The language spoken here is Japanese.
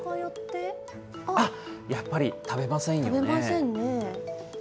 あっ、やっぱり食べませんよね。